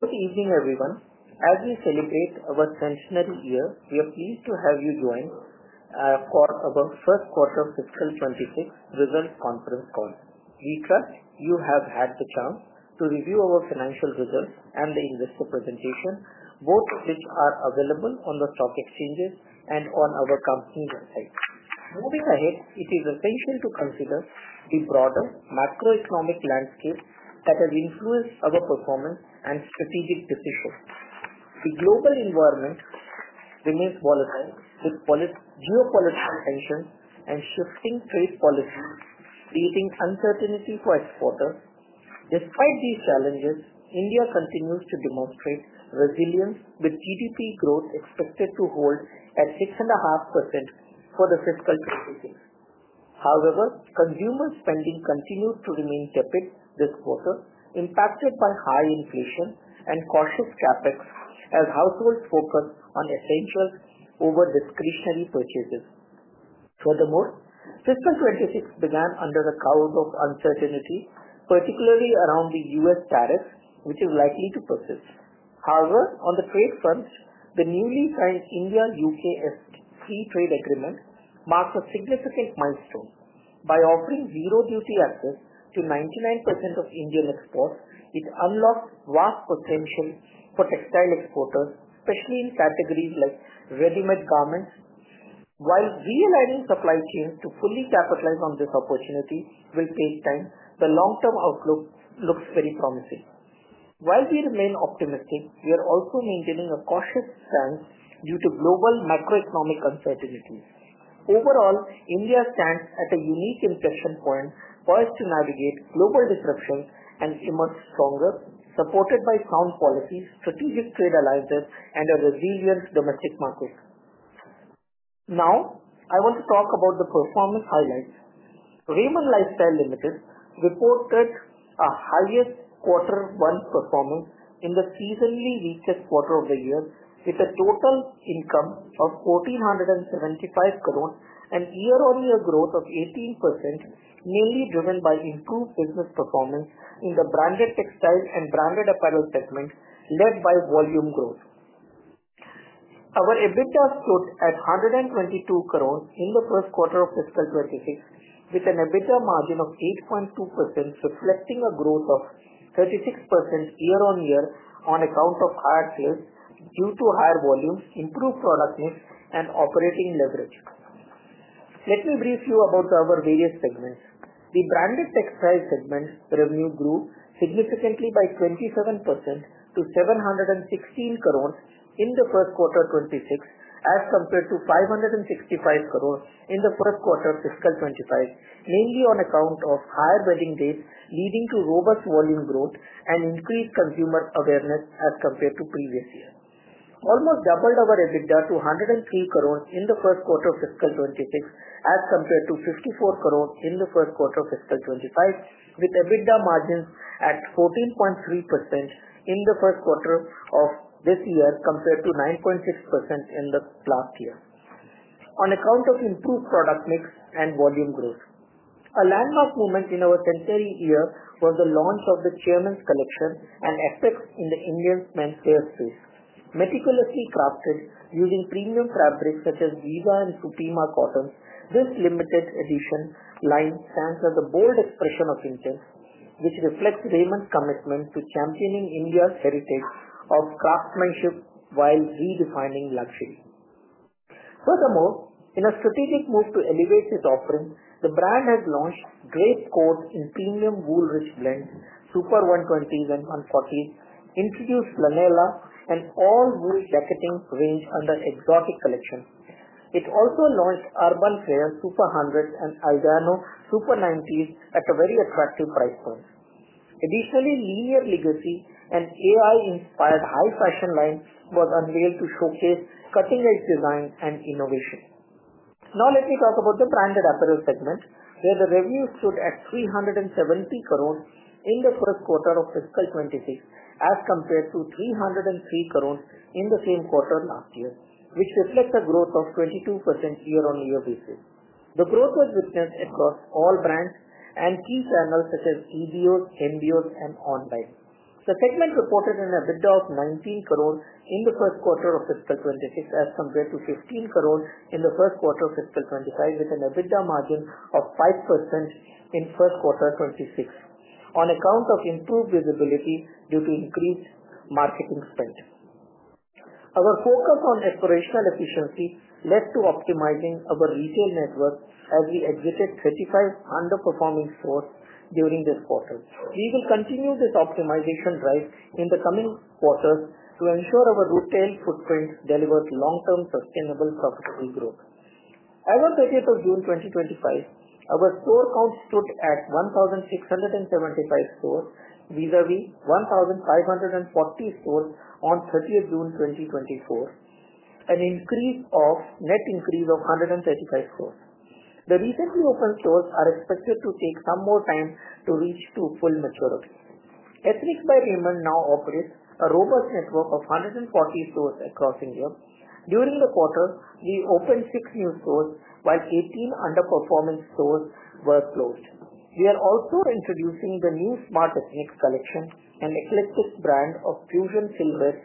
Good evening, everyone. As we celebrate our centenary year, we are pleased to have you join our first quarter of fiscal 2026 results conference call. Lika, you have had the chance to review our financial results and the investor presentation, both of which are available on the stock exchanges and on our company website. Moving ahead, it is essential to consider the broader macroeconomic landscape that has influenced our performance and strategic decisions. The global environment remains volatile, with geopolitical tensions and shifting trade policies creating uncertainty for exporters. Despite these challenges, India continues to demonstrate resilience, with GDP growth expected to hold at 6.5% for the fiscal 2026. However, consumer spending continued to remain tepid this quarter, impacted by high inflation and cautious CapEx as households focus on essentials over discretionary purchases. Furthermore, fiscal 2026 began under a cloud of uncertainty, particularly around the U.S. tariffs, which is likely to persist. However, on the trade fronts, the newly signed India-U.K. Free Trade Agreement marks a significant milestone. By offering zero-duty access to 99% of Indian exports, it unlocks vast potential for textile exporters, especially in categories like ready-made garments. While realigning supply chains to fully capitalize on this opportunity will take time, the long-term outlook looks very promising. While we remain optimistic, we are also maintaining a cautious stance due to global macroeconomic uncertainties. Overall, India stands at a unique inflection point for us to navigate global disruptions and emerge stronger, supported by sound policies, strategic trade alliances, and a resilient domestic market. Now, I want to talk about the performance highlights. Raymond Lifestyle Limited reported a higher Q1 performance in the seasonally richest quarter of the year, with a total income of 1,475 crore and year-over-year growth of 18%, mainly driven by improved business performance in the branded textiles and branded apparel segment, led by volume growth. Our EBITDA stood at 122 crore in the first quarter of fiscal 2026, with an EBITDA margin of 8.2%, reflecting a growth of 36% year-on-year on account of higher sales due to higher volumes, improved product mix, and operating leverage. Let me brief you about our various segments. The Branded Textiles segment's revenue grew significantly by 27% to 716 crore in the first quarter of fiscal 2026, as compared to 565 crore in the first quarter of fiscal 2025, mainly on account of higher bidding dates, leading to robust volume growth and increased consumer awareness as compared to previous years. We almost doubled our EBITDA to 103 crore in the first quarter of fiscal 2026, as compared to 54 crore in the first quarter of fiscal 2025, with EBITDA margins at 14.3% in the first quarter of this year compared to 9.6% in the last year, on account of improved product mix and volume growth. A landmark moment in our centenary year was the launch of the Chairman's Collection and effects in the Indian men's dress suit. Meticulously crafted using premium fabrics such as Giza and Supima cotton, this limited edition line stands as a bold expression of intent, which reflects Raymond's commitment to championing India's heritage of craftsmanship while redefining luxury. Furthermore, in a strategic move to elevate its offerings, the brand has launched great scores in premium wool-rich blends, Super 120s and 140s, introduced Lanella, and all-wool jacketing range under Exotic Collection. It also launched Urban Flare Super 100s and Aldano Super 90s at a very attractive price point. Additionally, Linear Legacy and AI-inspired high fashion lines were unveiled to showcase cutting-edge design and innovation. Now, let me talk about the Branded Apparel segments, where the revenue stood at 370 crore in the first quarter of fiscal 2026, as compared to 303 crore in the same quarter last year, which reflects a growth of 22% year-on-year basis. The growth was witnessed across all brands and key channels such as EBOs, MBOs, and online. The segment reported an EBITDA of 19 crore in the first quarter of fiscal 2026, as compared to 15 crore in the first quarter of fiscal 2025, with an EBITDA margin of 5% in first quarter 2026, on account of improved visibility due to increased marketing spend. Our focus on operational efficiency led to optimizing our retail network, as we exited 35 underperforming stores during this quarter. We will continue this optimization drive in the coming quarters to ensure our retail footprint delivers long-term sustainable, profitable growth. As of 30th June 2025, our store count stood at 1,675 stores, vis-à-vis 1,540 stores on 30th June 2024, a net increase of 135 stores. The recently opened stores are expected to take some more time to reach full maturity. Ethnix by Raymond now operates a robust network of 140 stores across India. During the quarter, we opened six new stores, while 18 underperforming stores were closed. We are also introducing the new Smart Ethnix collection, an eclectic brand of fusion silhouettes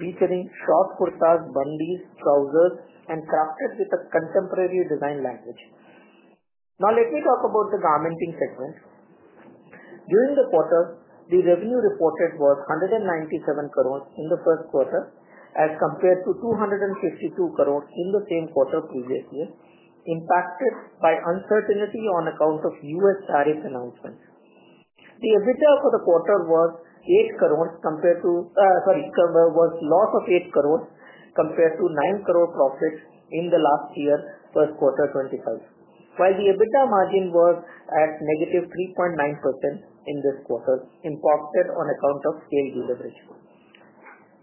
featuring short kurtas, bandis, trousers, and characters with a contemporary design language. Now, let me talk about the garmenting segments. During the quarter, the revenue reported was 197 crore in the first quarter, as compared to 252 crore in the same quarter previously, impacted by uncertainty on account of U.S. tariff announcements. The EBITDA for the quarter was a loss of 8 crore compared to 9 crore profit in the last year, first quarter 2025. The EBITDA margin was at negative 3.9% in this quarter, impacted on account of same user ratio.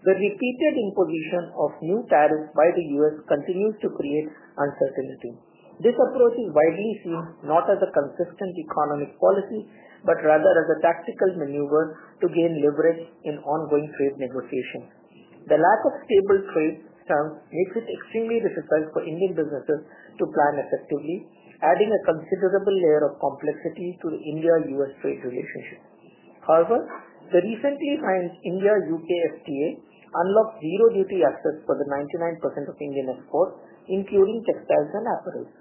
The repeated imposition of new tariffs by the U.S. continues to create uncertainty. This approach is widely seen not as a consistent economic policy, but rather as a tactical maneuver to gain leverage in ongoing trade negotiations. The lack of stable trade stance makes it extremely difficult for Indian businesses to plan effectively, adding a considerable layer of complexity to the India-U.S. trade relationship. However, the recently signed India-U.K. FTA unlocks zero-duty access for 99% of Indian exports, including textiles and apparels.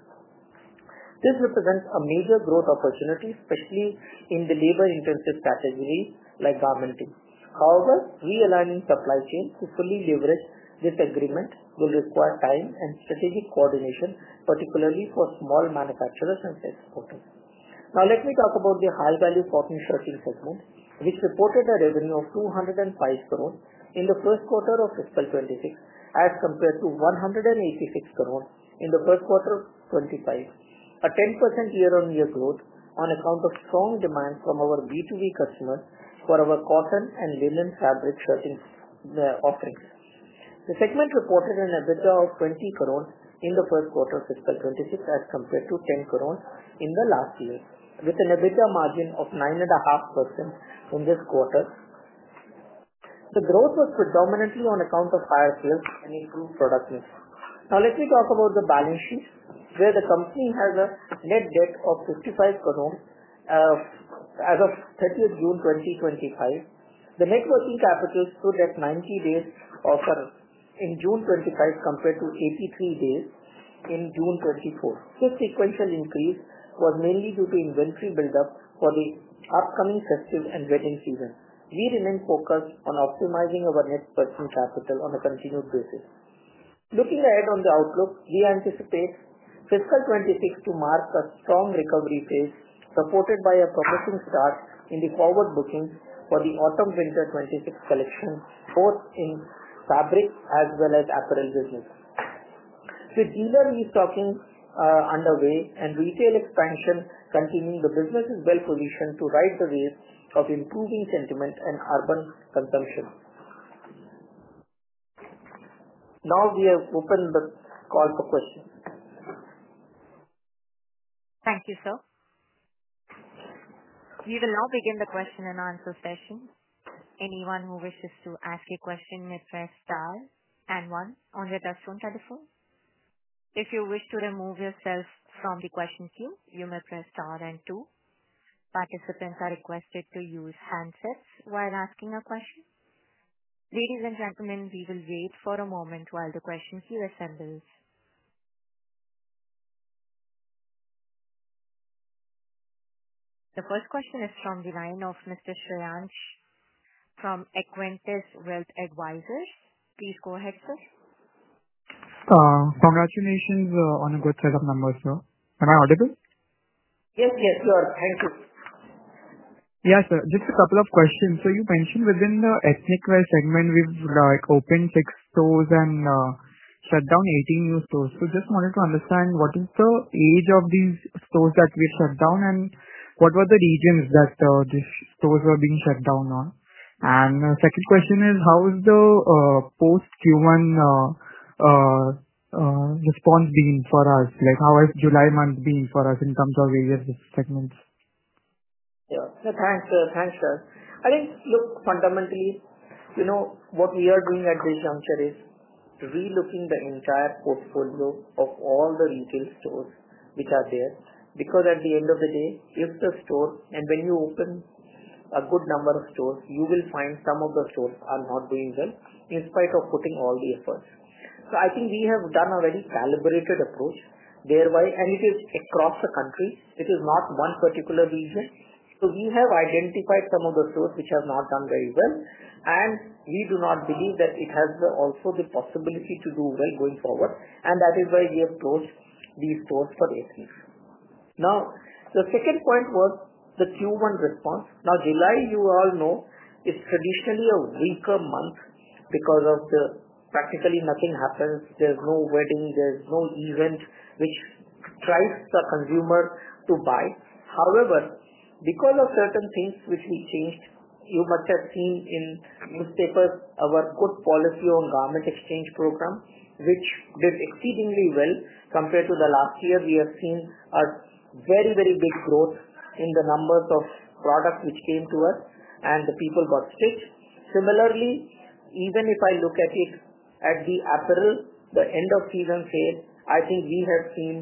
This represents a major growth opportunity, especially in the labor-intensive categories like garmenting. However, realigning supply chains to fully leverage this agreement will require time and strategic coordination, particularly for small manufacturers and exporters. Now, let me talk about the high-value Cotton Shirting segment. It reported a revenue of 205 crore in the first quarter of fiscal 2026, as compared to 186 crore in the first quarter of 2025, a 10% year-on-year growth on account of strong demand from our B2B customers for our cotton and linen fabric shirting offerings. The segment reported an EBITDA of 20 crore in the first quarter of fiscal 2026, as compared to 10 crore in the last year, with an EBITDA margin of 9.5% in this quarter. The growth was predominantly on account of higher sales and improved product mix. Now, let me talk about the balance sheet, where the Company has a net debt of 55 crore as of 30th June 2025. The net working capital stood at 90 days as of June 2025 compared to 83 days in June 2024. This sequential increase was mainly due to inventory buildup for the upcoming festive and wedding season. We remain focused on optimizing our net production capital on a continued basis. Looking ahead on the outlook, we anticipate fiscal 2026 to mark a strong recovery phase, supported by a promising start in the forward bookings for the Autumn-Winter 2026 selection, both in fabrics as well as apparel business. Regular restocking is underway, and retail expansion continues. The business is well-positioned to ride the wave of improving sentiment on urban consumption. Now, we have opened the call for questions. Thank you, sir. We will now begin the question and answer session. Anyone who wishes to ask a question may press star and one on your telephone. If you wish to remove yourself from the question queue, you may press star and two. Participants are requested to use handsets while asking a question. Ladies and gentlemen, we will wait for a moment while the question queue assembles. The first question is from the line of Mr. Shreyansh from Equentis Wealth Advisors. Please go ahead, sir. Congratulations on a good set of numbers, sir. Am I audible? Yes, yes, you are. Thank you. Yes, just a couple of questions. You mentioned within the Ethnix wear segment we've opened six stores and shut down 18 stores. I just wanted to understand what is the age of these stores that we shut down and what were the regions that these stores were being shut down in. The second question is, how has the post-Q1 response been for us? Like, how has July month been for us in terms of various segments? Yeah, thanks, sir. Thanks, sir. I think, look, fundamentally, you know what we are doing at this juncture is relooking the entire portfolio of all the retail stores which are there. Because at the end of the day, if the store and when you open a good number of stores, you will find some of the stores are not doing well in spite of putting all the effort. I think we have done a very calibrated approach thereby, and it is across the country. It is not one particular region. We have identified some of the stores which have not done very well. We do not believe that it has also the possibility to do well going forward. That is why we have closed these stores for this. Now, the second point was the Q1 response. July, you all know, is traditionally a weaker month because practically nothing happens. There's no wedding. There's no event which drives the consumer to buy. However, because of certain things which we changed, you must have seen in the newspapers our good policy on garment exchange program, which did exceedingly well compared to last year. We have seen a very, very big growth in the number of products which came to us, and the people got strict. Similarly, even if I look at it at the apparel, the end of season sales, I think we have seen,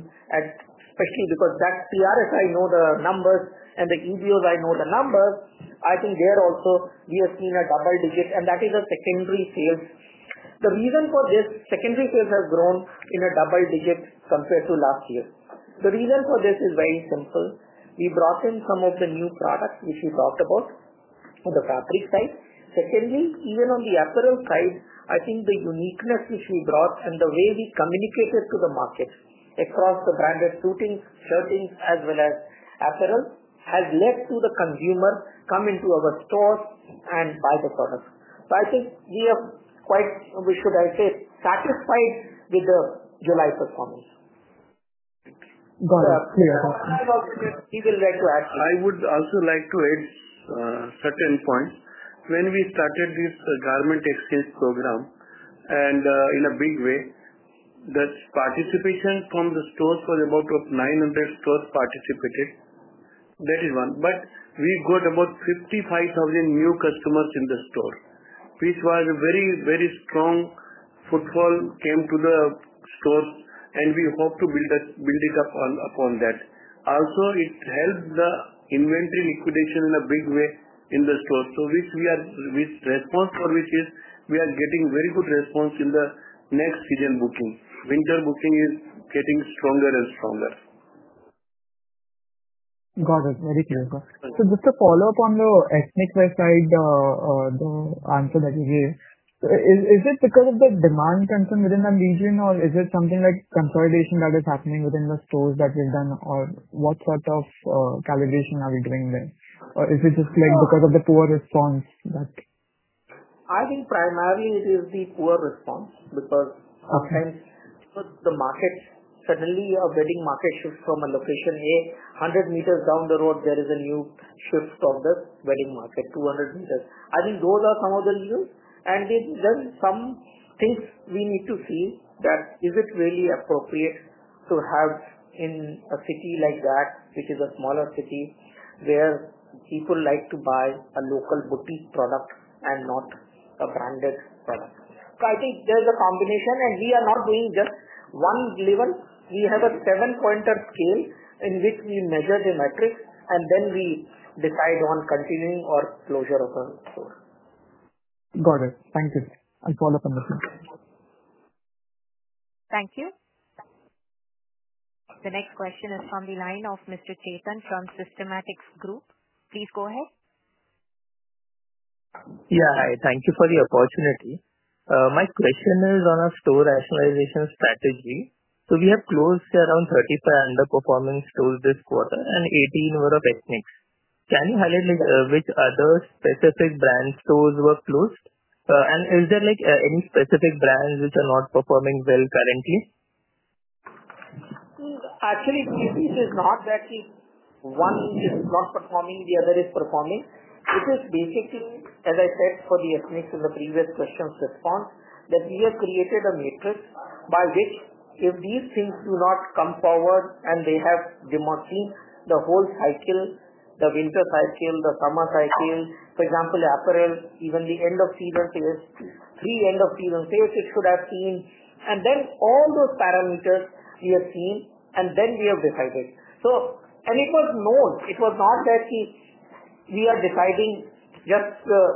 especially because that's the TRS, I know the numbers, and the EBOs, I know the numbers. I think there also we have seen a double digit, and that is a secondary sales. The reason for this secondary sales has grown in a double digit compared to last year. The reason for this is very simple. We brought in some of the new products which we talked about for the fabric side. Secondly, even on the apparel side, I think the uniqueness which we brought and the way we communicated to the market across the branded suitings, shirtings, as well as apparel has led to the consumer coming to our stores and buying the products. I think we are quite, should I say, satisfied with the July performance. Got it. I would also like to add a certain point. When we started this garment exchange program in a big way, the participation from the stores was about 900 stores participated. That is one. We got about 55,000 new customers in the store. This was a very, very strong foothold that came to the stores, and we hope to build upon that. It also helps the inventory liquidation in a big way in the store. We are getting very good response in the next season booking. Winter booking is getting stronger and stronger. Got it. Very clear. Just to follow up on the Ethnix wear side, the answer that you gave, is it because of the demand concern within that region, or is it something like temporization that is happening within the stores that we've done, or what sort of calibration are we doing there? Is it just like because of the poor response that? I think primarily it is the poor response because the markets suddenly are getting market shifts from a location A, 100 m down the road, there is a new shift of this wedding market, 200 m. I think those are some of the news. There are some things we need to see, that is, is it really appropriate to have in a city like that, which is a smaller city where people like to buy a local boutique product and not a branded product. I think there's a combination, and we are not doing just one level. We have a seven-pointer scale in which we measure the metrics, and then we decide on continuing or closure of a store. Got it. Thank you. I'll follow up on that. Thank you. The next question is from the line of Mr. Chetan from Systematix Group. Please go ahead. Yeah, hi. Thank you for the opportunity. My question is on our store rationalization strategy. We have closed around 35 underperforming stores this quarter, and 18 were of Ethnix. Can you highlight which other specific brand stores were closed? Is there like any specific brands which are not performing well currently? Actually, this is not that one is not performing, the other is performing. It is basically, as I said for the Ethnix in the previous question's response, that we have created a matrix by which if these things do not come forward and they have demurred the whole cycle, the winter cycle, the summer cycle, for example, apparel, even the end of season sales, pre-end of season sales which should have seen, and then all those parameters we have seen, and then we have decided. It was known. It was not that we are deciding just that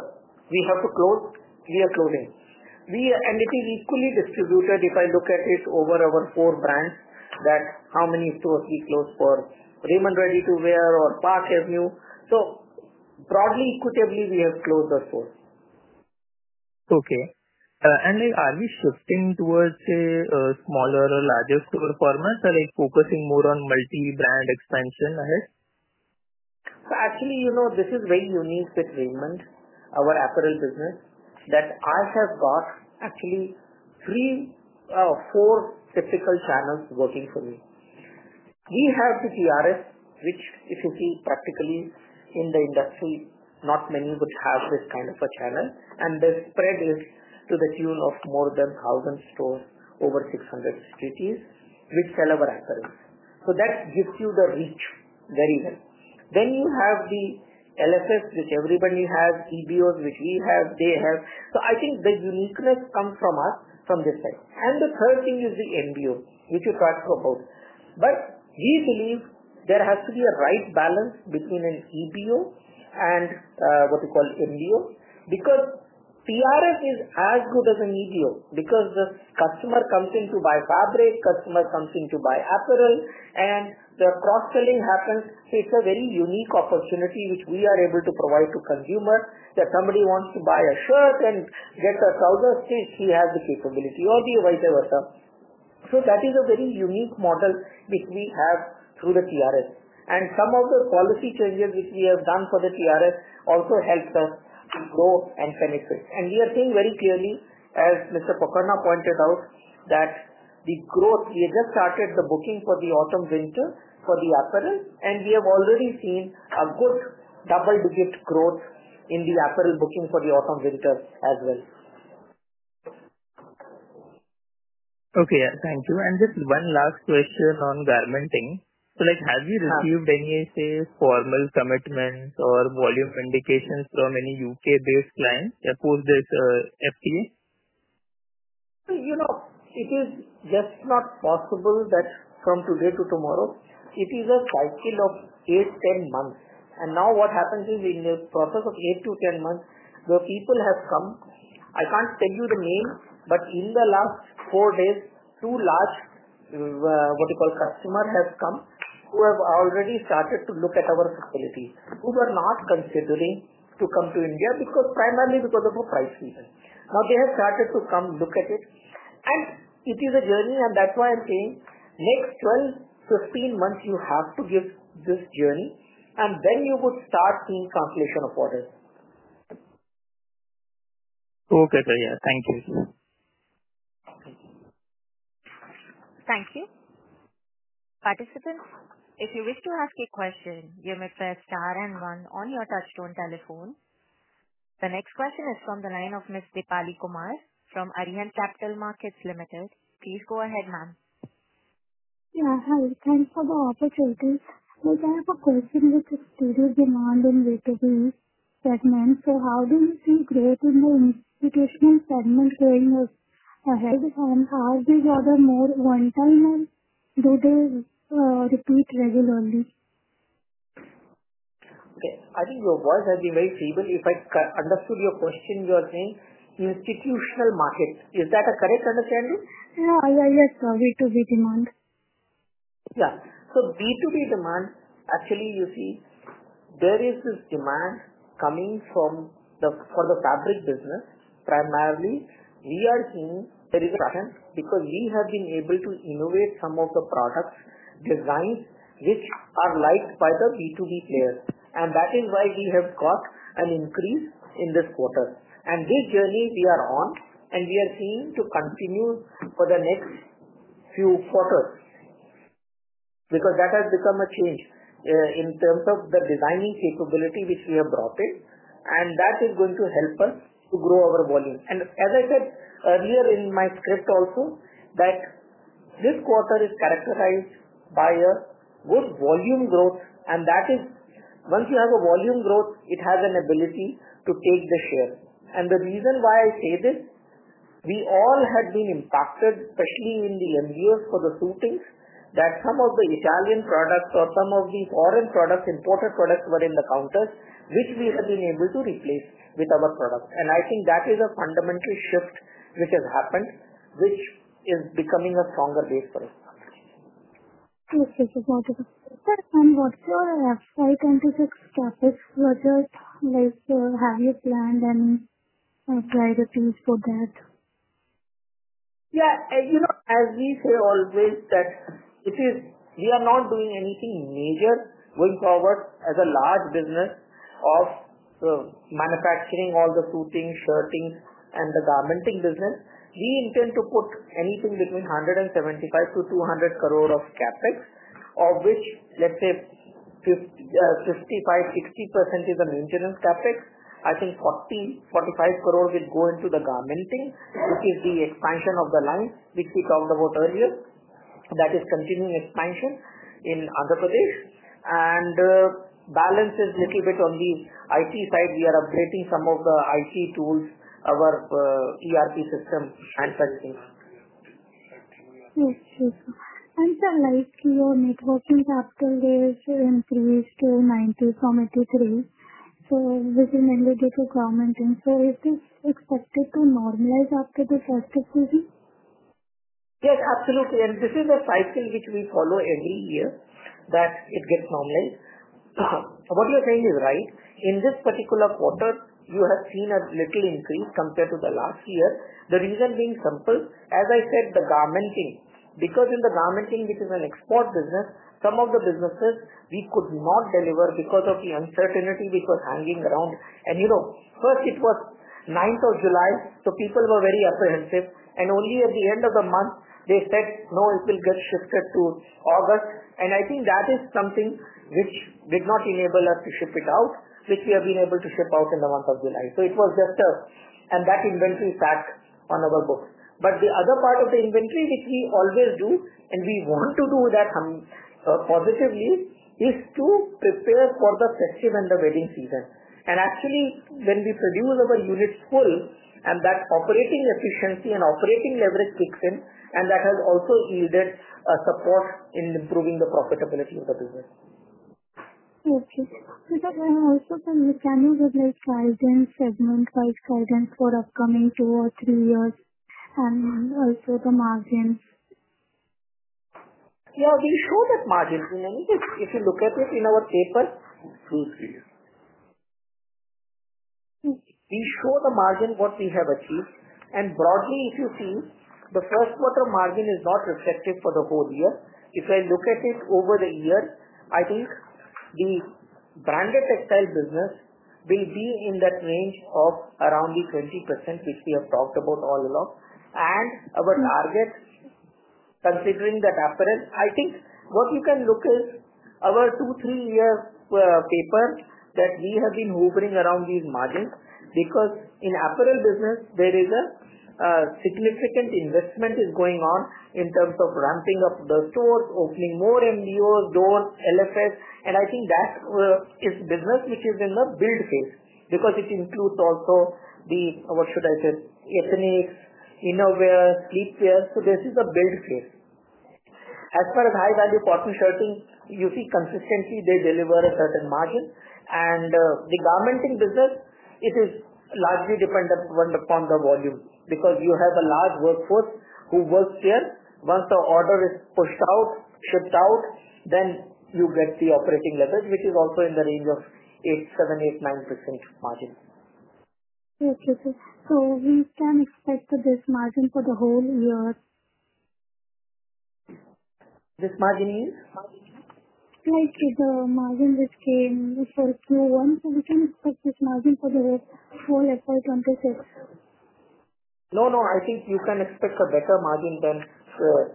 we have to close, we are closing. It is equally distributed if I look at it over our four brands that how many stores we closed for Raymond Ready to Wear or Park Avenue. Broadly, equitably, we have closed the stores. Are we shifting towards a smaller or larger store format? Are we focusing more on multi-brand expansion ahead? Actually, you know this is very unique with Raymond, our apparel business, that I have got actually three or four typical channels working for me. We have the TRS, which is actually practically in the industry, not many which have this kind of a channel. The spread is to the tune of more than 1,000 stores over 600 cities, which sell our apparels. That gives you the reach very well. We have the LFS, which everybody has, EBOs, which we have, they have. I think the uniqueness comes from us from this side. The third thing is the MBO, which we talked about. We believe there has to be a right balance between an EBO and what we call MBO because TRS is as good as an EBO because the customer comes in to buy fabric, customer comes in to buy apparel, and the cross-selling happens. It's a very unique opportunity which we are able to provide to consumers that somebody wants to buy a shirt and gets a trouser since he has the capability or the vice versa. That is a very unique model which we have through the TRS. Some of the policy changes which we have done for the TRS also helped us to grow and finish this. We are seeing very clearly, as Mr. Pokharna pointed out, that the growth we just started the booking for the autumn-winter for the apparel, and we have already seen a good double-digit growth in the apparel booking for the autumn-winter as well. Okay. Thank you. Just one last question on garmenting. Have you received any formal commitments or volume indications from any U.K.-based clients that post this FTA? It is just not possible that from today to tomorrow. It is a cycle of 8-10 months. Now what happens is in the process of 8-10 months, the people have come. I can't tell you the name, but in the last four days, two large, what we call customers have come who have already started to look at our facilities, who were not considering to come to India primarily because of a price reason. Now they have started to come look at it. It is a journey, and that's why I'm saying next 12-15 months, you have to give this journey, and then you would start seeing translation of orders. Okay, great. Yeah, thank you. Thank you. Participants, if you wish to ask a question, you may press star and one on your touchstone telephone. The next question is from the line of Ms. Deepali Kumar from Arihant Capital Markets Limited. Please go ahead, ma'am. Yeah, hi. Thanks for the opportunity. I have a question with exterior demand on B2B segments. How do you see growth in the retail segment going ahead, and how do you gather more one-time and do they repeat regularly? Okay. I think your voice has been very clear, but if I understood your question, you're saying institutional markets. Is that a correct understanding? Yeah, yeah. B2B demand. Yeah. B2B demand, actually, you see, there is this demand coming from the fabric business. Primarily, we are seeing there is a trend because we have been able to innovate some of the product designs which are liked by the B2B players. That is why we have caught an increase in this quarter. This journey we are on, and we are seeing to continue for the next few quarters because that has become a change in terms of the designing capability which we have brought in. That is going to help us to grow our volume. As I said earlier in my script also, this quarter is characterized by a good volume growth. Once you have a volume growth, it has an ability to take the shore. The reason why I say this, we all had been impacted, especially in the MBOs for the suitings, that some of the Italian products or some of the foreign products, imported products were in the counters, which we have been able to replace with our product. I think that is a fundamental shift which has happened, which is becoming a stronger base for us. That's wonderful. What's your FY 2026 CapEx budget? How do you plan and apply the tools for that? Yeah. As we say always, we are not doing anything major going forward as a large business of manufacturing all the suiting, shirting, and the garmenting business. We intend to put anything between 175 crore-200 crore of CapEx, of which, let's say, 55%-60% is the maintenance CapEx. I think 40 crore-45 crore will go into the garmenting, which is the expansion of the line which we talked about earlier. That is continuing expansion in other countries. The balance is a little bit on the IT side. We are upgrading some of the IT tools, our ERP system, and financing. Sir, your working capital days has increased to 90 from 83. This is related to garmenting. Is this expected to normalize after the festive season? Yes, absolutely. This is a cycle which we follow every year that it gets normalized. What you're saying is right. In this particular quarter, you have seen a little increase compared to the last year. The reason being simple. As I said, the garmenting, because in the garmenting, which is an export business, some of the businesses we could not deliver because of the uncertainty which was hanging around. First, it was 9th of July, so people were very apprehensive. Only at the end of the month, they said, "No, it will get shifted to August." I think that is something which did not enable us to ship it out, which we have been able to ship out in the month of July. It was just us. That inventory sat on our books. The other part of the inventory, which we always do and we want to do that positively, is to prepare for the festive and the wedding season. Actually, when we produce our units full, and that operating efficiency and operating leverage kicks in, that has also either support in improving the profitability of the business. Okay. Sir, can you give guidance, segment wise guidance upcoming two or three years onward, also the margins? Yeah, we show that margin. In any case, if you look at it in our paper, we show the margin what we have achieved. Broadly, if you see, the first quarter margin is not receptive for the whole year. If I look at it over the year, I think the Branded Textile business will be in that range of around the 20% which we have talked about all along. Our target, considering that apparel, I think what you can look is our two, three-year paper that we have been hovering around these margins because in the apparel business, there is a significant investment going on in terms of ramping up the stores, opening more MBOs, doing LFS. I think that is business which is in the build phase because it includes also the, what should I say, Ethnix, innerwear, sleepwear. This is a build phase. As far as high-value Cotton Shirting, you see consistently they deliver a certain margin. The garmenting business, it is largely dependent upon the volume because you have a large workforce who works here. Once the order is pushed out, shipped out, then you get the operating leverage, which is also in the range of 8%, 7%, 8%, 9% margin. Okay, sir. Can we expect this margin for the whole year? This margin is? Like the margin which came for Q1, we can expect this margin for the whole FY 2026? No, no. I think you can expect a better margin than that.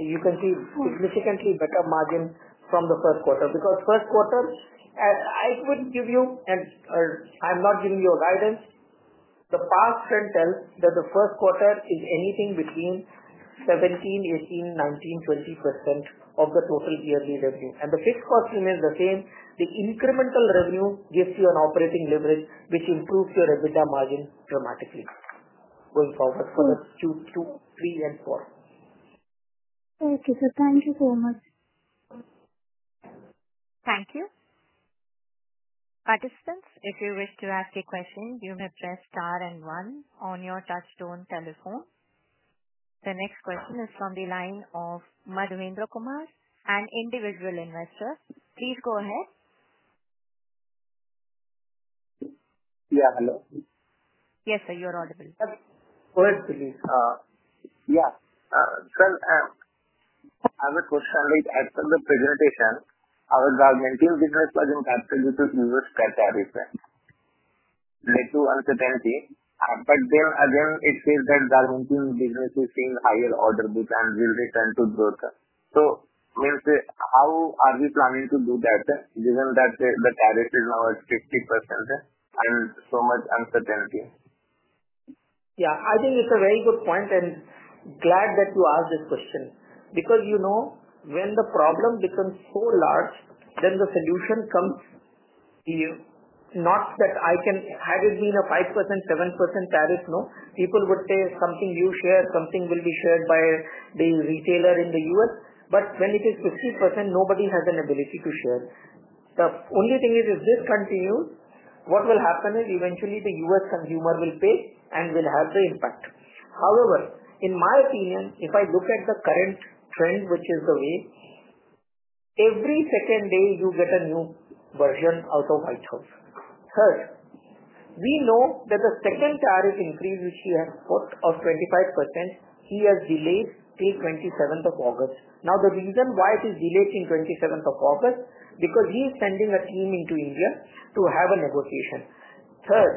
You can see significantly better margin from the first quarter because first quarter, I couldn't give you and I'm not giving you a guidance. The past trend tells that the first quarter is anything between 17%, 18%, 19%, 20% of the total yearly revenue. The fixed cost revenue is the same. The incremental revenue gives you an operating leverage, which improves your EBITDA margin dramatically going forward for Q2, Q3, and Q4. Okay, sir. Thank you so much. Thank you. Participants, if you wish to ask a question, you may press star and one on your touchstone telephone. The next question is from the line of Madhavendra Kumar, an individual investor. Please go ahead. Yeah, hello. Yes, sir. You're audible. Good, please. Sir, as a customer at the presentation, our garmenting business doesn't have to be within U.S. territory, sir. They do uncertainty. It seems that garmenting business is seeing higher order. We can't really return to the worker. Means that how are we planning to do that given that the tariff is now at 50% and so much uncertainty? Yeah, I think it's a very good point. Glad that you asked this question because when the problem becomes so large, then the solution comes to you. Not that I can hardly be in a 5%, 7% tariff. No. People would say something you share, something will be shared by the retailer in the U.S. When it is 50%, nobody has an ability to share. The only thing is if this continues, what will happen is eventually the U.S. consumer will pay and will have the impact. However, in my opinion, if I look at the current trend, which is the way, every second day you get a new version out of White House. First, we know that the second tariff increase, which he has put of 25%, he has delayed till 27th of August. The reason why it is delayed till 27th of August is because he is sending a team into India to have a negotiation. Third,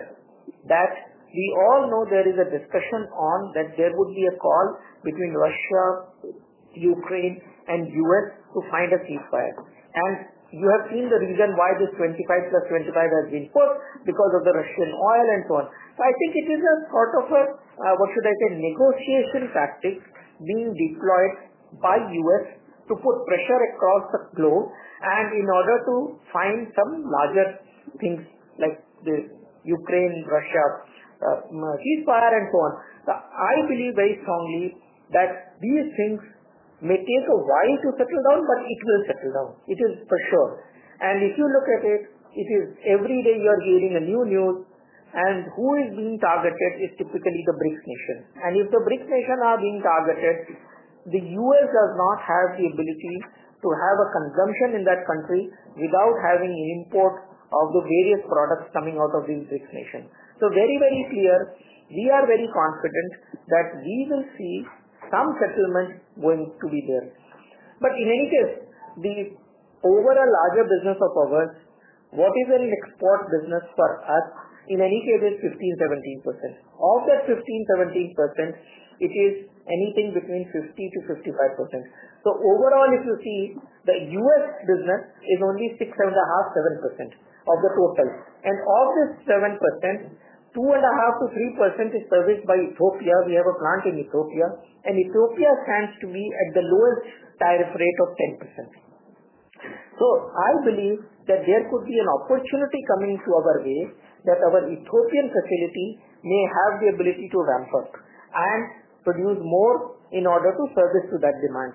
that we all know there is a discussion on that there would be a call between Russia, Ukraine, and U.S. to find a ceasefire. You have seen the reason why this 25% + 25% has been put because of the Russian oil and so on. I think it is a sort of, what should I say, negotiation tactics being deployed by the U.S. to put pressure across the globe in order to find some larger things like this, Ukraine, Russia, ceasefire and so on. I believe very strongly that these things may take a while to settle down, but it will settle down. It is for sure. If you look at it, it is every day we are hearing a new news. Who is being targeted is typically the BRICS nations. If the BRICS nations are being targeted, the U.S. does not have the ability to have a consumption in that country without having the import of the various products coming out of these BRICS nations. Very, very clear, we are very confident that we will see some settlements going to be there. In any case, the overall larger business of ours, what is an export business for us, in any case, is 15%, 17%. Of that 15%, 17%, it is anything between 50%-55%. Overall, if you see, the U.S. business is only 6.5%, 7% of the total. Of this 7%, 2.5%-3% is serviced by Ethiopia. We have a plant in Ethiopia. Ethiopia stands to be at the lowest tariff rate of 10%. I believe that there could be an opportunity coming to our way that our Ethiopian facility may have the ability to ramp up and produce more in order to service to that demand.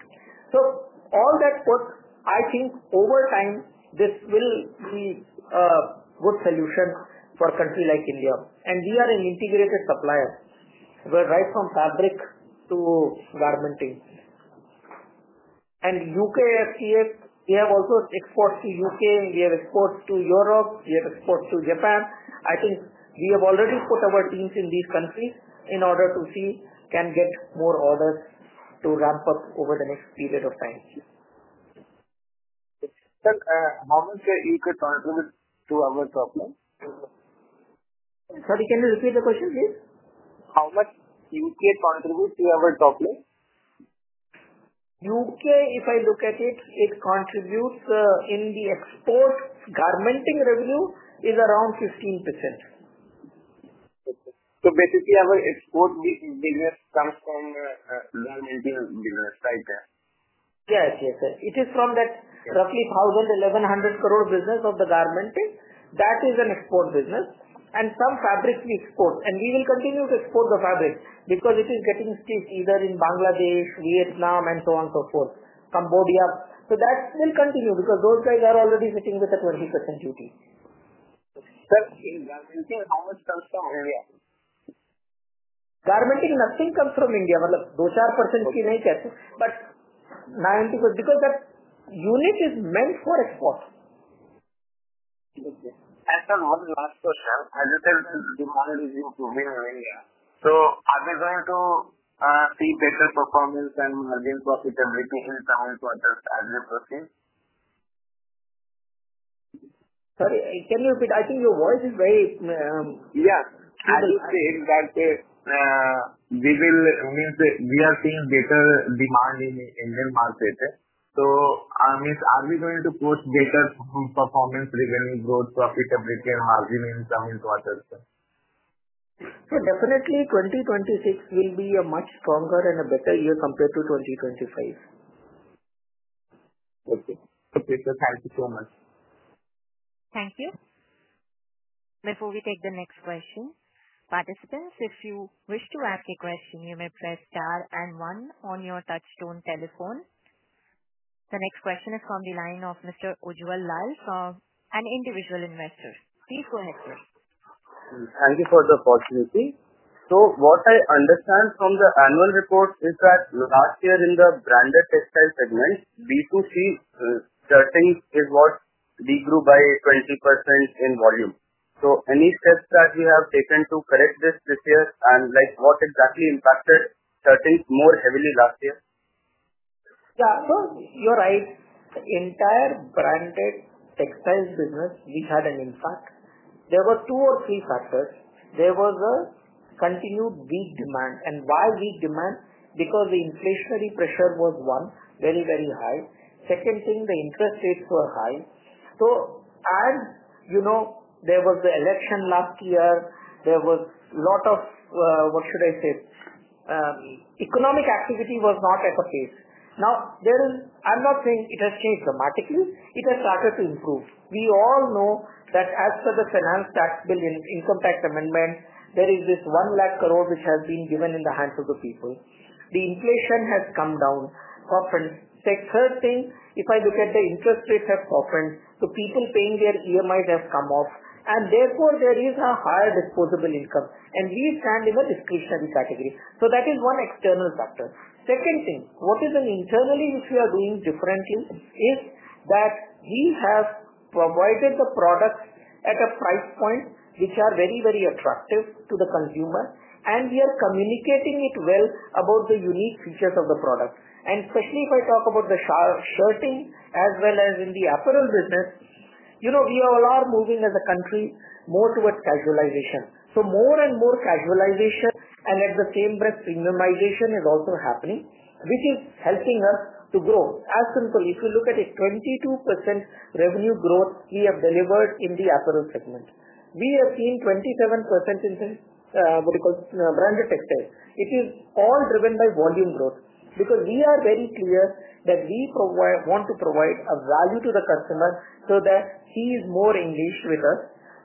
I think, over time, this will be a good solution for a country like India. We are an integrated supplier, right from fabric to garmenting. And U.K. FTA we have exports to the U.K., and we have exports to Europe. We have exports to Japan. I think we have already put our teams in these countries in order to see if we can get more orders to ramp up over the next period of time. How much does the U.K. contribute to our top line? Sorry, can you repeat the question? Yes. How much does the U.K. contribute to our top line? U.K., if I look at it, it contributes in the exports. Garmenting revenue is around 15%. Basically, our export business comes from the garmenting business, right? Yes, yes, yes. It is from that roughly 1,100 crore business of the garmenting. That is an export business. Some fabrics we export, and we will continue to export the fabric because it is getting steep either in Bangladesh, Vietnam, and so on and so forth, Cambodia. That will continue because those guys are already sitting with the 20% duty. Sir, in garmenting, how much comes from India? Garmenting, nothing comes from India. I mean, 2%-4%, we make it. 90% because that unit is meant for export. Okay. As a non-large customer, as you said, the demand is in the area. Are we going to see better performance and gain profitability in coming to our customers? Sorry, can you repeat? I think your voice is very. Yeah, I was saying that we are seeing better demand in the Indian market. I mean, are we going to quote better performance regarding growth, profitability, and margin in the coming quarters? 2026 will be a much stronger and a better year compared to 2025. Okay. Okay, sir, thank you so much. Thank you. Before we take the next question, participants, if you wish to ask a question, you may press star and one on your touchstone telephone. The next question is from the line of Mr. Ujjwal Lal from an individual investor. Please go ahead, sir. Thank you for the opportunity. What I understand from the annual report is that last year in the Branded Textiles segment, we grew by 20% in volume. Are there any steps that you have taken to correct this this year, and what exactly impacted certain areas more heavily last year? Yeah, you're right. The entire Branded Textiles business, we had an impact. There were two or three factors. There was a continued weak demand. Why weak demand? The inflationary pressure was one, very, very high. The interest rates were high. As you know, there was the election last year. There was a lot of, what should I say, economic activity was not at a pace. I'm not saying it has changed dramatically. It has started to improve. We all know that as per the Finance Tax Bill in the Income Tax Amendment, there is this 1 lakh crore which has been given in the hands of the people. The inflation has come down. If I look at the interest rates, they have softened, the people paying their EMIs have come off. Therefore, there is a higher disposable income. We stand in a risky certain category. That is one external factor. What is internally which we are doing differently is that we have provided the products at a price point which are very, very attractive to the consumer. We are communicating it well about the unique features of the product. Especially if I talk about the shirting as well as in the apparel business, you know we all are moving as a country more towards casualization. More and more casualization and at the same breath, premiumization is also happening, which is helping us to grow. As simple, if we look at it, 22% revenue growth we have delivered in the apparel segment. We have seen 27% increase in what we call Branded Textiles. It is all driven by volume growth because we are very clear that we want to provide a value to the customer so that he is more engaged with us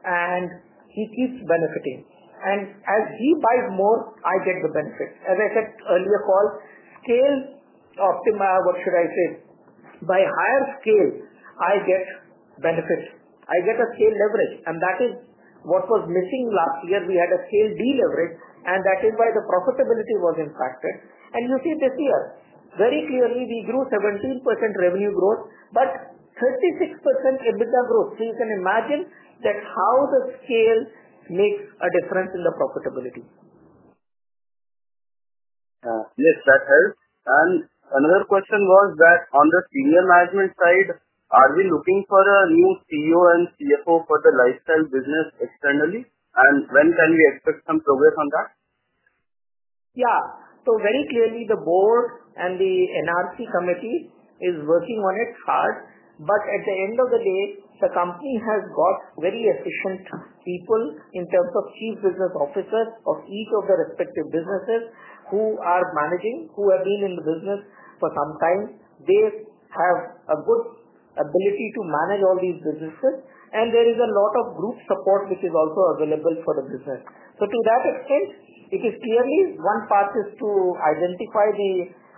and he keeps benefiting. As he buys more, I get the benefits. As I said earlier, call scale optimized. What should I say? By higher scale, I get benefits. I get a scale leverage. That is what was missing last year. We had a scale de-leverage, and that is why the profitability was impacted. You see this year, very clearly, we grew 17% revenue growth, but 56% EBITDA growth. You can imagine that how the scale makes a difference in the profitability. Yes, that helps. Another question was that on the senior management side, are we looking for a new CEO and CFO for the lifestyle business externally? When can we expect some progress on that? Yeah. Very clearly, the board and the NRC Committee is working on it hard. At the end of the day, the Company has got very efficient people in terms of Chief Business Officers of each of the respective businesses who are managing, who have been in the business for some time. They have a good ability to manage all these businesses. There is a lot of group support which is also available for the business. To that extent, it is clearly one path to identify the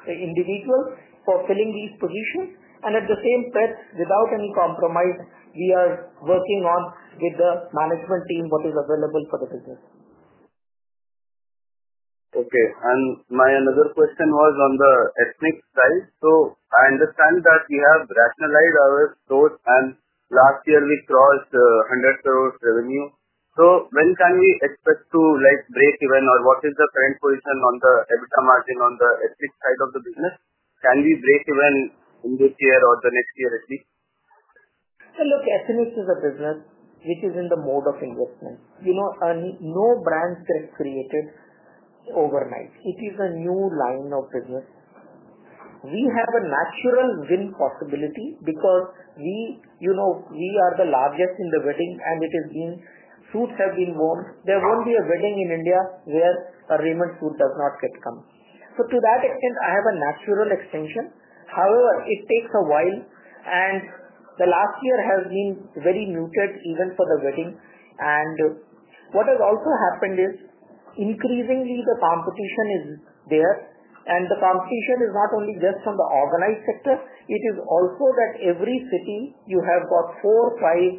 individuals for filling these positions. At the same time, without any compromise, we are working on with the management team what is available for the business. Okay. My another question was on the Ethnix price. I understand that we have rationalized our approach, and last year we crossed 100 crore revenue. When can we expect to break even, or what is the current position on the EBITDA margin on the Ethnix side of the business? Can we break even in this year or the next year? Look, Ethnix is a business which is in the mode of investment. You know, no brand has created overnight. It is a new line of business. We have a natural win possibility because we, you know, we are the largest in the wedding, and it is being suits have been worn. There won't be a wedding in India where a Raymond suit does not fit them. To that extent, I have a natural extension. However, it takes a while. The last year has been very muted even for the wedding. What has also happened is increasingly the competition is there. The competition is not only just from the organized sector. It is also that every city you have got four, five,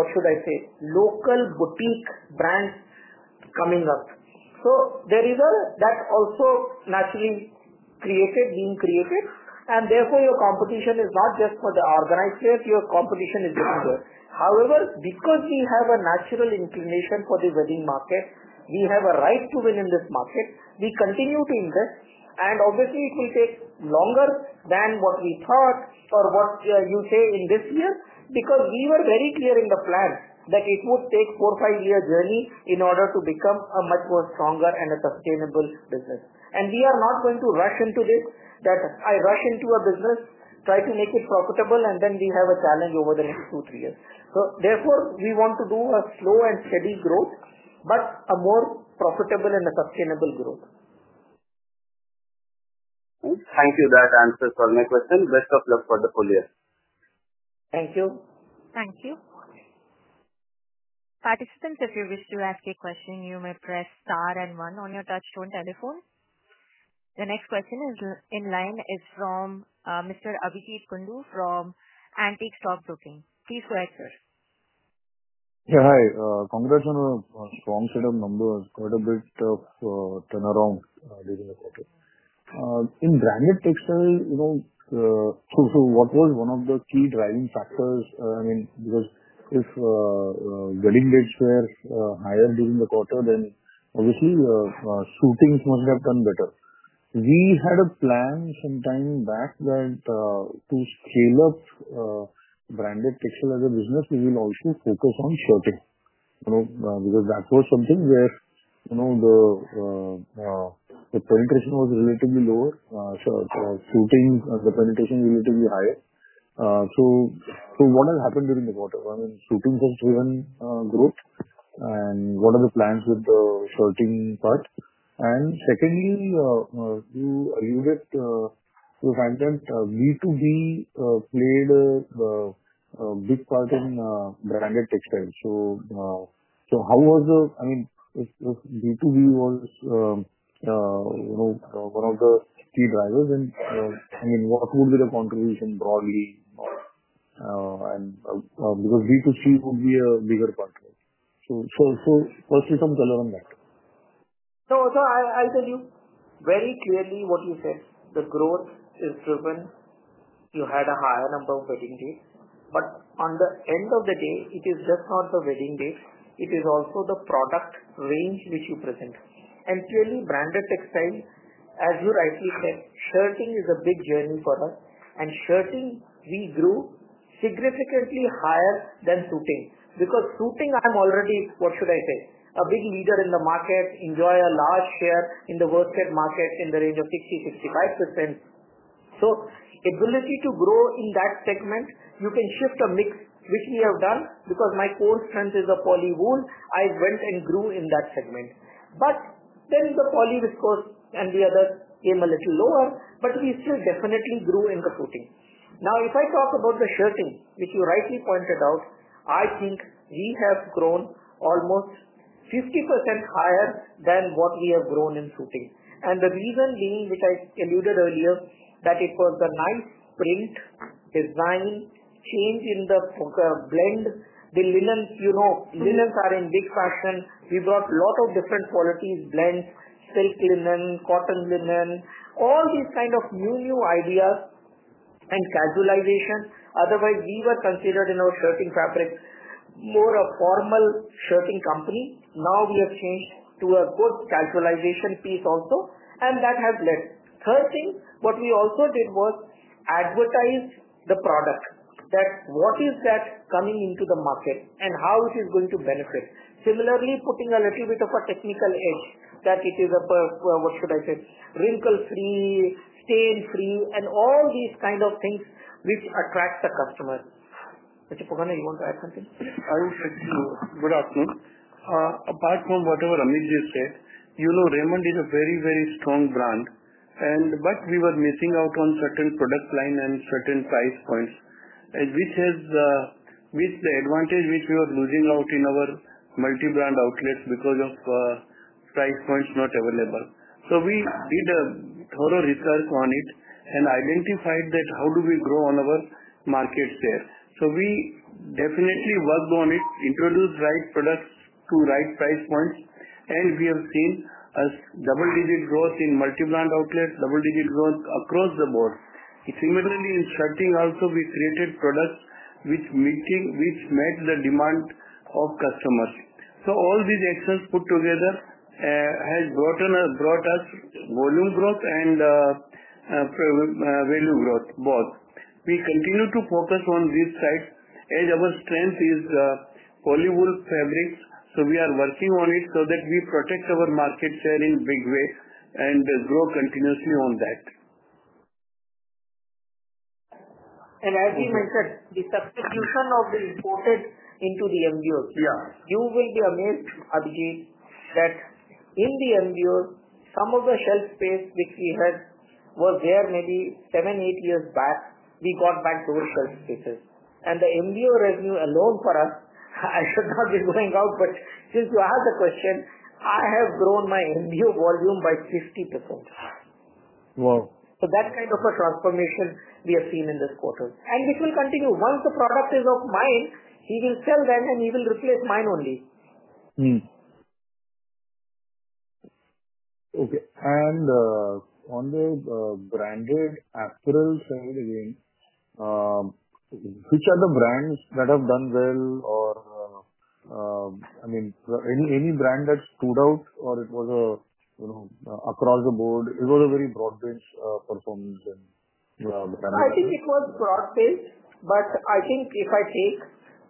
what should I say, local booking brands coming up. That’s also naturally being created. Therefore, your competition is not just for the organized set. Your competition is getting worse. However, because we have a natural inclination for the wedding market, we have a right to win in this market. We continue to invest. Obviously, it will take longer than what we thought or what you say in this year because we were very clear in the plans that it would take a four or five-year journey in order to become a much more stronger and a sustainable business. We are not going to rush into this, that I rush into a business, try to make it profitable, and then we have a challenge over the next two, three years. Therefore, we want to do a slow and steady growth, but a more profitable and a sustainable growth. Thank you. That answers all my questions. Best of luck for the podcast. Thank you. Thank you. Participants, if you wish to ask a question, you may press star and one on your touchstone telephone. The next question in line is from Mr. Abhijeet Kundu from Antique Stock Broking. Please go ahead, sir. Yeah, hi. Congrats on a strong set of numbers. What a great job turnaround during the quarter. In Branded Textile, you know, so what was one of the key driving factors? I mean, because if getting that share higher during the quarter, then obviously suitings must have done better. We had a plan some time back that to scale up branded textile as a business, we will also focus on shirting, you know, because that was something where the penetration was relatively lower. Sure, suiting and the penetration is relatively higher. What has happened during the quarter? I mean, suitings have driven growth. What are the plans with the shirting part? Secondly, you get to find that B2B played a big part in branded textiles. How was the, I mean, if B2B was one of the key drivers, what would be the contribution broadly? Because B2C would be a bigger part. Firstly, some color on that. I'll tell you very clearly what you said. The growth is when you had a higher number of wedding dates. At the end of the day, it is just not the wedding date. It is also the product range which you present. Clearly, Branded Textile, as you rightly said, shirting is a big journey for us. Shirting, we grew significantly higher than suiting because suiting, I'm already, what should I say, a big leader in the market, enjoy a large share in the worth-head market in the range of 60%-65%. Ability to grow in that segment, you can shift a mix, which we have done because my core strength is a poly-wool. I went and grew in that segment. In the poly, of course, can be a bit a molecule lower, but we still definitely grew in the suiting. If I talk about the shirting, which you rightly pointed out, I think we have grown almost 50% higher than what we have grown in suiting. The reason being which I alluded earlier, that it was the nice print design change in the blend. The linens, you know, linens are in big fashion. We brought a lot of different qualities, blends, silk linen, cotton linen, all these kinds of new new ideas and casualization. Otherwise, we were considered in our shirting fabric more a formal shirting company. Now we have changed to a good casualization piece also. That has led. Third thing, what we also did was advertise the product, that what is that coming into the market and how it is going to benefit. Similarly, putting a little bit of a technical edge that it is a, what should I say, wrinkle-free, stain-free, and all these kinds of things which attract the customer. Mr. Pokharna, you want to add something? I would say too, good afternoon. Apart from whatever Amit just said, you know Raymond is a very, very strong brand. We were missing out on certain product lines and certain price points, which was the advantage we were losing out in our multi-brand outlets because of price points not available. We did a thorough research on it and identified how do we grow on our markets there. We definitely worked on it, introduced right products to right price points, and we have seen a double-digit growth in multi-brand outlets, double-digit growth across the board. Similarly, in shirting also, we created products which met the demand of customers. All these actions put together have brought us volume growth and value growth, both. We continue to focus on these sites, and our strength is the poly-wool fabrics. We are working on it so that we protect our market share in a big way and grow continuously on that. As you mentioned, the substitution of the imported into the MBOs, you will be amazed, Abhijeet, that in the MBOs, some of the shelf space which we had was there maybe seven, eight years back. We got back those shelf spaces. The MBO revenue alone for us, I should not be going out, but since you asked the question, I have grown my MBO volume by 50%. Wow. That kind of a transformation we have seen in this quarter. This will continue. Once the product is of mine, he will sell them, and he will replace mine only. Okay. On the Branded Apparel side again, which are the brands that have done well, or any brand that stood out, or it was a, you know, across the board, it was a very broad range performance? I think it was broad based, but I think if I take,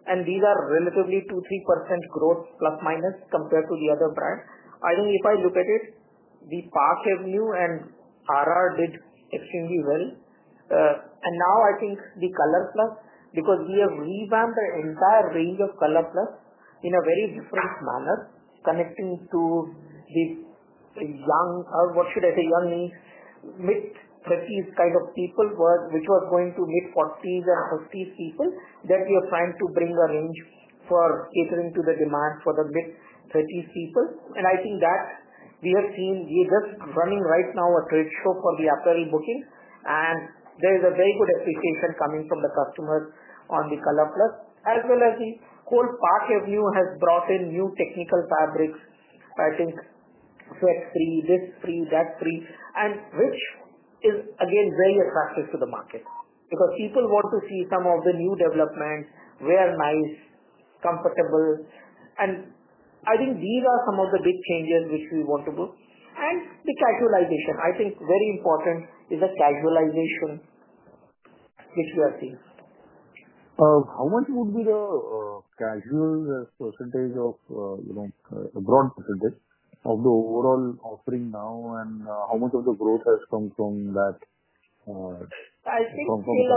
and these are relatively 2%-3% growth plus minus compared to the other brands, I think if I look at it, the Park Avenue and RR did extremely well. I think the ColorPlus, because we have revamped the entire range of ColorPlus in a very different manner, connecting to the young, what should I say, young mid-30s kind of people, which was going to mid-40s and 50s people, that we are trying to bring a range for catering to the demand for the mid-30s people. I think that we have seen we're just running right now a trade show for the apparel booking. There is a very good appreciation coming from the customers on the ColorPlus, as well as the whole Park Avenue has brought in new technical fabrics. I think it's free this, free that, free, and which is, again, very attractive to the market because people want to see some of the new developments, wear nice, comfortable. I think these are some of the big changes which we want to do. The casualization, I think, very important is a casualization which we are seeing. How much would be the casual as percentage of, you know, a broad percentage of the overall offering now, and how much of the growth has come from that? I think still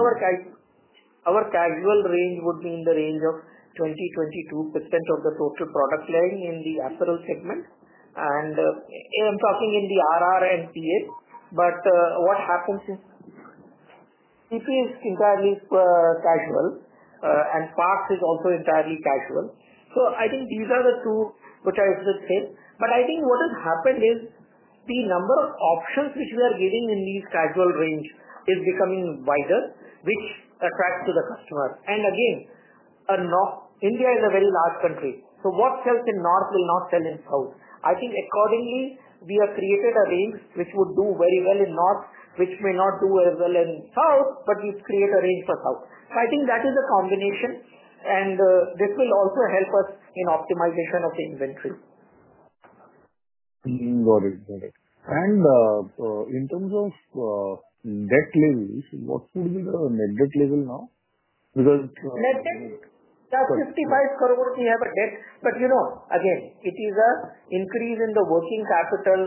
our casual range would be in the range of 20%-22% of the total product line in the apparel segment. I'm talking in the RR and TA. What happens is TP is entirely casual, and Parx is also entirely casual. I think these are the two which I have just said. What has happened is the number of options which we are getting in this casual range is becoming wider, which attracts the customers. India is a very large country. What sells in the North will not sell in the South. I think accordingly, we have created a range which would do very well in the North, which may not do as well in the South, but we create a range for the South. I think that is a combination. This will also help us in optimization of the inventory. Got it. In terms of net levels, what would be the net debt level now? Because. Net debt, yeah, INR 55 crore we have a debt. Again, it is an increase in the working capital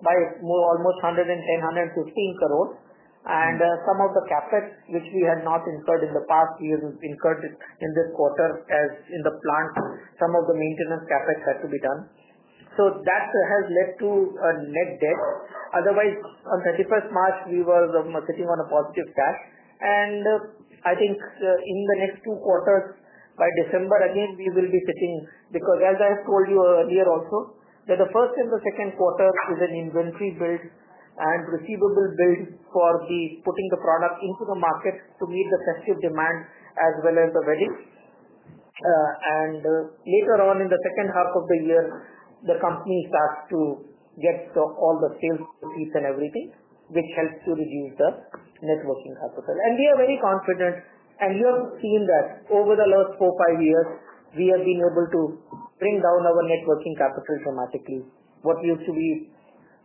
by almost 110 crore-115 crore. Some of the CapEx, which we had not incurred in the past years, incurred in this quarter as in the plans. Some of the maintenance CapEx had to be done. That has led to a net debt. Otherwise, on 31st March, we were sitting on a positive stat. I think in the next two quarters, by December, again, we will be sitting because, as I have told you earlier also, the first and the second quarter is an inventory build and receivable build for putting the product into the markets to meet the festive demand as well as the weddings. Later on in the second half of the year, the company starts to get all the sales leads and everything, which helps to reduce the working capital. We are very confident. You have seen that over the last four or five years, we have been able to bring down our working capital dramatically. What used to be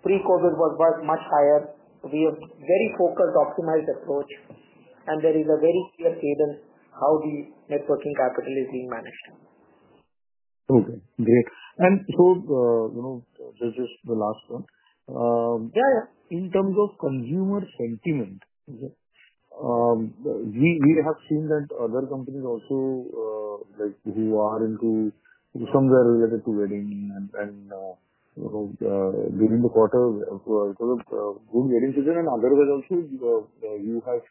pre-COVID was much higher. We have a very focused, optimized approach. There is a very clear cadence how the working capital is being managed. Okay. Great. This is the last one. In terms of consumer sentiment, we have seen that other companies also, like you, are into somewhere related to wedding and, during the quarter, because of good wedding season, and otherwise, also, you have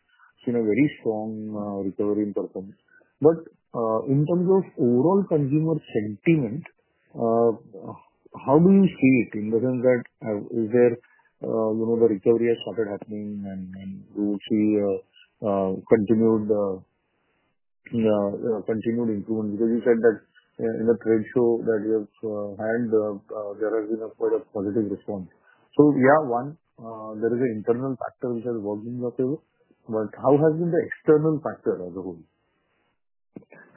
seen a very strong recovery in terms. In terms of overall consumer sentiment, how do you see it in the sense that is there, you know, the recovery has started happening and we will see continued improvement? You said that in the trade show that you have had, there has been quite a positive response. One, there is an internal factor which has worked in the quarter. How has been the external factor as a whole?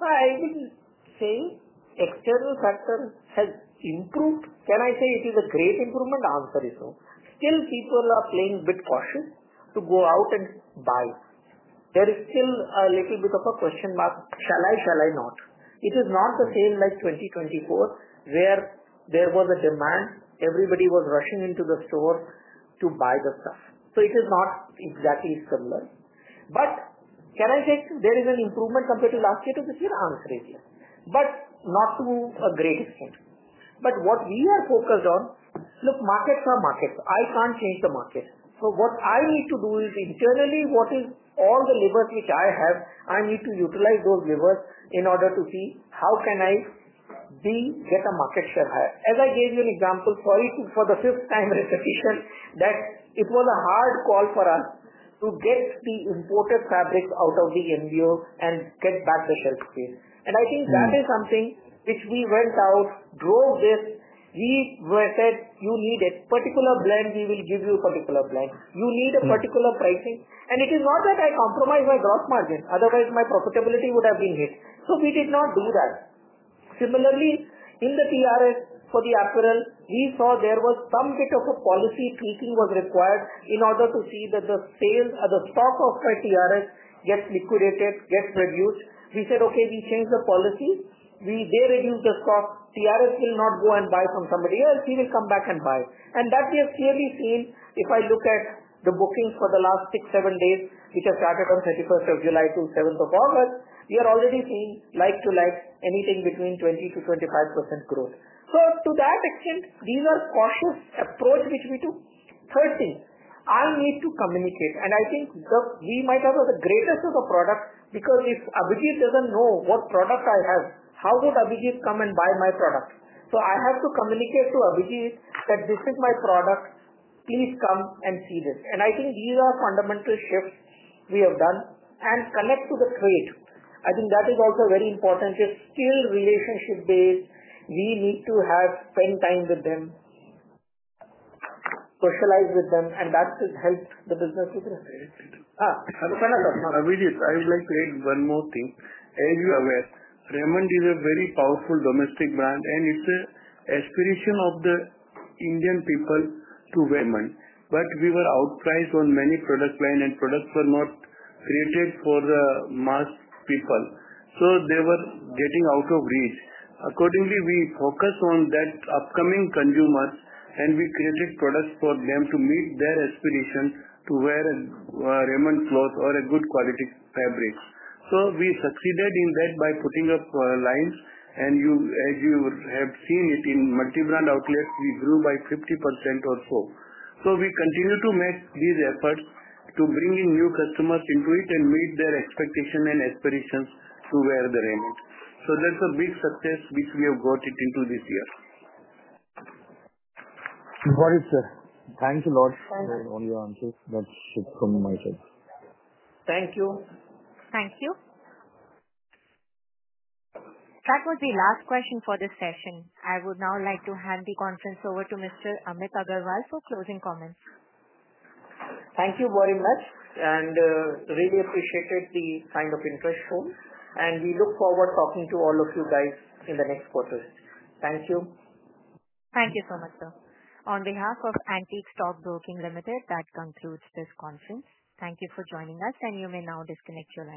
I will say external factor has improved. Can I say it is a great improvement? The answer is no. Still, people are playing a bit cautious to go out and buy. There is still a little bit of a question mark. Shall I, shall I not? It is not the same as 2024 where there was a demand. Everybody was rushing into the store to buy the stuff. It is not exactly similar. Can I say to you there is an improvement compared to last year to this year? The answer is yes, but not to a great extent. What we have focused on, look, markets are markets. I can't change the market. What I need to do is internally, what is all the leverage which I have, I need to utilize those levers in order to see how can I get a market share higher. As I gave you an example for you for the fifth time recession, it was a hard call for us to get the imported fabrics out of the MBO and get back the shelf space. I think that is something which we went out, drove this. We said, "You need a particular blend. We will give you a particular blend. You need a particular pricing." It is not that I compromised my gross margin. Otherwise, my profitability would have been hit. We did not do that. Similarly, in the TRS for the apparel, we saw there was some bit of a policy tweaking was required in order to see that the sale of the stock of TRS gets liquidated, gets reduced. We said, "Okay, we changed the policy. They reduced the stock. TRS will not go and buy from somebody else. We will come back and buy." That we have clearly seen. If I look at the bookings for the last six, seven days, which have started on 31st of July to 7th of August, we are already seeing like-to-like anything between 20%-25% growth. To that extent, these are cautious approaches which we do. Third thing, I need to communicate. I think we might have the greatest of the products because if Abhijeet doesn't know what product I have, how did Abhijeet come and buy my product? I have to communicate to Abhijeet that this is my product. Please come and see this. I think these are fundamental shifts we have done and connect to the trade. I think that is also very important. It's still relationship-based. We need to spend time with them, socialize with them, and that just helps the business with the sales. I would like to add one more thing. As you are aware, Raymond is a very powerful domestic brand, and it's the aspiration of the Indian people to Raymond. We were outpriced on many product lines, and products were not created for the mass people, so they were getting out of reach. Accordingly, we focused on that upcoming consumers, and we created products for them to meet their aspiration to wear a Raymond cloth or a good quality fabric. We succeeded in that by putting up lines. As you have seen it in multi-brand outlets, we grew by 50% or so. We continue to make these efforts to bring in new customers into it and meet their expectations and aspirations to wear the Raymond. That's a big success which we have got into this year. Got it, sir. Thanks a lot for all your answers. That's it from my side. Thank you. Thank you. That was the last question for this session. I would now like to hand the conference over to Mr. Amit Agarwal for closing comments. Thank you very much. I really appreciated the kind of interest from everyone. We look forward to talking to all of you in the next quarters. Thank you. Thank you so much, sir. On behalf of Antique Stock Broking Limited, that concludes this conference. Thank you for joining us, and you may now disconnect.